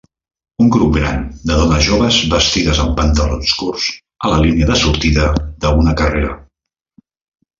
Un grup gran de dones joves vestides amb pantalons curts a la línia de sortida d'una carrera.